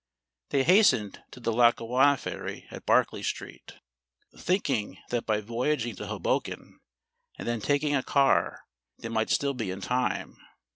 They hastened to the Lackawanna ferry at Barclay Street, thinking that by voyaging to Hoboken and then taking a car they might still be in time.